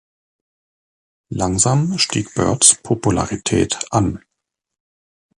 Langsam stieg Byrds Popularität an.